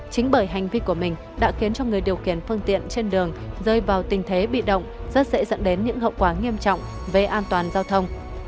chính bởi hành vi của mình đã khiến cho người điều khiển phương tiện trên đường rơi vào tình thế bị động rất dễ dẫn đến những hậu quả nghiêm trọng về an toàn giao thông